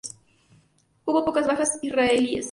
Hubo pocas bajas israelíes.